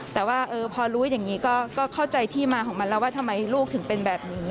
แต่ว่าพอรู้อย่างนี้ก็เข้าใจที่มาของมันแล้วว่าทำไมลูกถึงเป็นแบบนี้